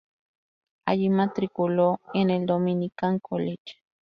Allí matriculó en el Dominican College.